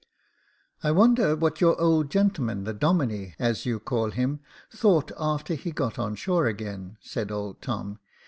*• I wonder what your old gentleman, the Domine, as you call him, thought, after he got on shore again," said old Tom.